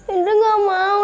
indri gak mau